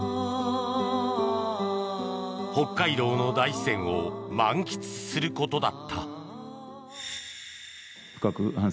北海道の大自然を満喫することだった。